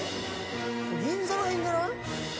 銀座ら辺じゃない？